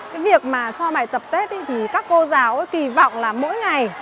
cái việc mà cho bài tập tết thì các cô giáo kỳ vọng là mỗi ngày